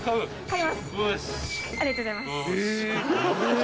ありがとうございます。